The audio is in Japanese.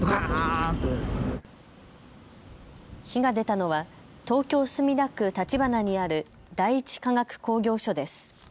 火が出たのは東京墨田区立花にある第一化学工業所です。